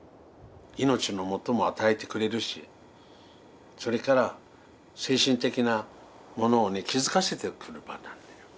命のもとも与えてくれるしそれから精神的なものをね気付かせてくれる場なんだよ。